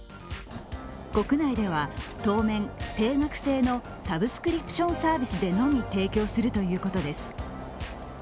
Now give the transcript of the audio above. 国内では、当面定額制のサブスクリプションサービスでのみ提供するということです。